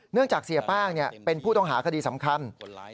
จากเสียแป้งเป็นผู้ต้องหาคดีสำคัญ